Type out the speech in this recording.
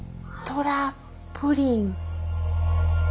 トラプリン。